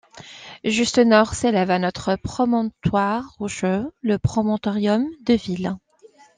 Juste au nord s'élève un autre promontoire rocheux, le Promontorium Deville.